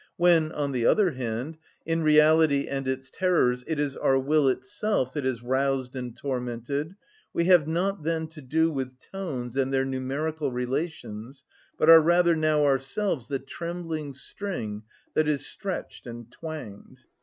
When, on the other hand, in reality and its terrors, it is our will itself that is roused and tormented, we have not then to do with tones and their numerical relations, but are rather now ourselves the trembling string that is stretched and twanged.